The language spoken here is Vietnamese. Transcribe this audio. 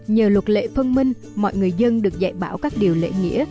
nhờ luật lệ phân minh mọi người dân được dạy bảo các điều lễ nghĩa